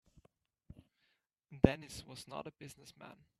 Dennis was not a business man.